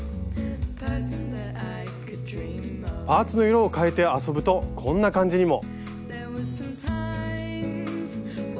パーツの色をかえて遊ぶとこんな感じにも。